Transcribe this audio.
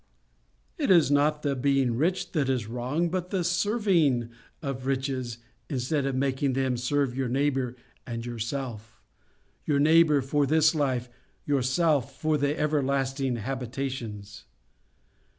It is not the being rich that is wrong, but the serving of riches, instead of making them serve your neighbour and yourself—your neighbour for this life, yourself for the everlasting habitations.